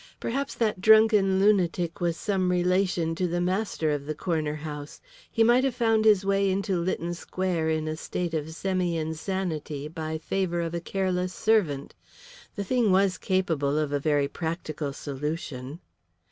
Perhaps that drunken lunatic was some relation to the master of the corner house; he might have found his way into Lytton Square in a state of semi insanity by favour of a careless servant. The thing was capable of a very practical solution.